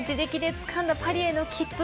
自力でつかんだパリへの切符